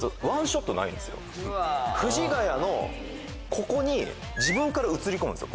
藤ヶ谷のここに自分から映り込むんですよ